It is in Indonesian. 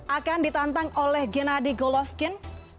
akan ditantang oleh genadi golovkin